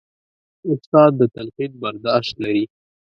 استاد د تنقید برداشت لري.